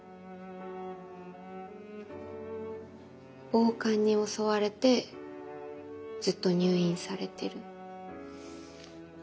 暴漢に襲われてずっと入院されてる？